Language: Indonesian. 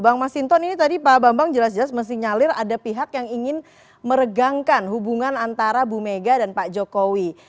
bang masinton ini tadi pak bambang jelas jelas mesti nyalir ada pihak yang ingin meregangkan hubungan antara bu mega dan pak jokowi